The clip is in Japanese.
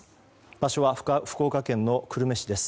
場所は福岡県の久留米市です。